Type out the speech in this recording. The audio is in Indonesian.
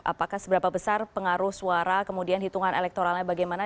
apakah seberapa besar pengaruh suara kemudian hitungan elektoralnya bagaimana